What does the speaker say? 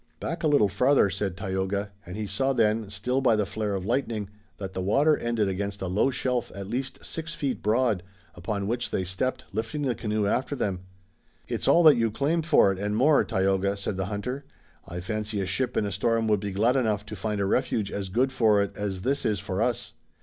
"Back a little farther," said Tayoga, and he saw then, still by the flare of lightning, that the water ended against a low shelf at least six feet broad, upon which they stepped, lifting the canoe after them. "It's all that you claimed for it, and more, Tayoga," said the hunter. "I fancy a ship in a storm would be glad enough to find a refuge as good for it as this is for us."